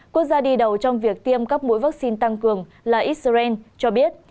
quốc gia đi đầu trong việc tiêm các mũi vaccine tăng cường là israel cho biết